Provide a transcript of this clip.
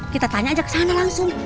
kita tanya aja kesana langsung